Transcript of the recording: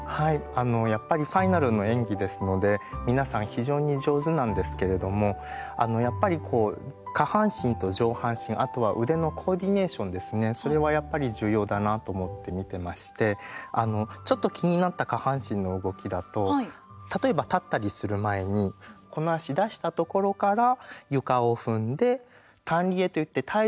やっぱりファイナルの演技ですので皆さん非常に上手なんですけれどもやっぱりこう下半身と上半身あとは腕のコーディネーションですねそれはやっぱり重要だなと思って見てましてちょっと気になった下半身の動きだと例えば立ったりする前にこの足出したところから床を踏んでタン・リエといって体重の移動があってこっちの足にのったりするんですね。